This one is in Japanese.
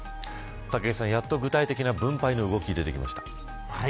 武井さん、やっと具体的な分配の動きが出てきました。